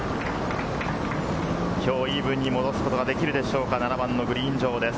きょうイーブンに戻すことができるでしょうか、７番のグリーン上です。